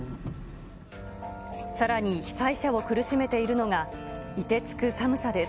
さらに被災者を苦しめているのが、いてつく寒さです。